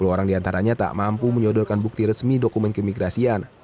sepuluh orang diantaranya tak mampu menyodorkan bukti resmi dokumen keimigrasian